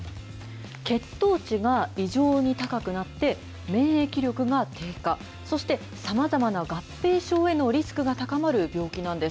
血糖値が異常に高くなって、免疫力が低下、そしてさまざまな合併症へのリスクが高まる病気なんです。